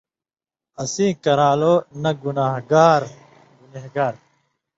اسیں کران٘لوں نہ گنان٘گار (گنہگار)